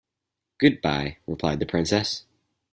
"Good-bye," replied the princess.